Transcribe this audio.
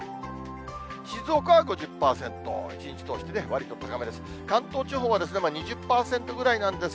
静岡は５０％、一日通してわりと高めです。